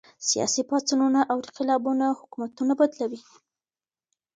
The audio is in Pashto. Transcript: سياسي پاڅونونه او انقلابونه حکومتونه بدلوي.